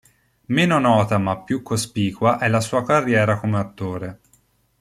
Meno nota ma più cospicua è la sua carriera come attore.